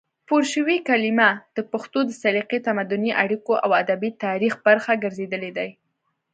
پورشوي کلمې د پښتو د سلیقې، تمدني اړیکو او ادبي تاریخ برخه ګرځېدلې دي،